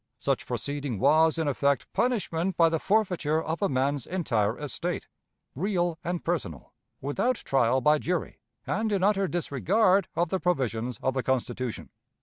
Such proceeding was, in effect, punishment by the forfeiture of a man's entire estate, real and personal, without trial by jury, and in utter disregard of the provisions of the Constitution.